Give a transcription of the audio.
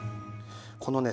このね